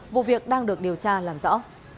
vụ việc đang được điều tra làm rõ